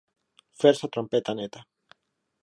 Fer sa trompeta neta.